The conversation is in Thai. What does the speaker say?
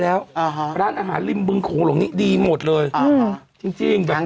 แล้วอ่าฮะร้านอาหารริมบึงโขงหลงนี้ดีหมดเลยอ่าจริงจริงแบบ